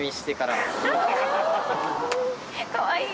かわいい。